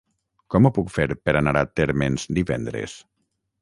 Com ho puc fer per anar a Térmens divendres?